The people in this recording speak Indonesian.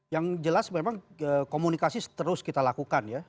yang jelas memang komunikasi terus kita lakukan ya